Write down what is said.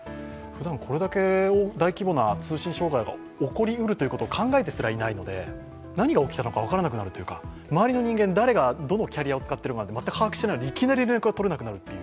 ふだん、これだけ大規模な通信障害が起こりうるということを考えてすらいないので、何が起きたのか分からなくなるというか、周りの人間、誰がどのキャリアを使っているか全く把握していないので、いきなり連絡が取れなくなる。